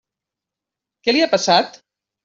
Què li ha passat?